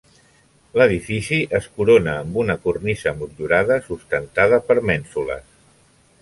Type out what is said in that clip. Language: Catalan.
L'edifici es corona amb una cornisa motllurada sustentada per mènsules.